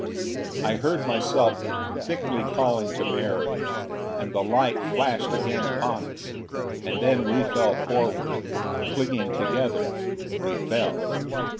I heard myself thickly calling to Mary, and the light flashed again upon us. And then we fell forward. Clinging together, we fell....